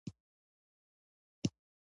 انار د افغانستان د ولایاتو په کچه توپیر لري.